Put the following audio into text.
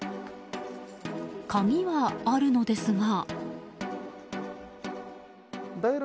鍵はあるのですが。